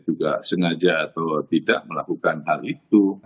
juga sengaja atau tidak melakukan hal itu